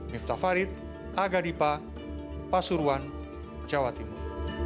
miftah farid aga dipa pasuruan jawa timur